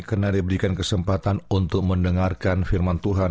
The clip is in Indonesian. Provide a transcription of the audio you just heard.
karena diberikan kesempatan untuk mendengarkan firman tuhan